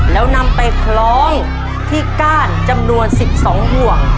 แล้วนำไปคล้องที่ก้านจำนวน๑๒ห่วง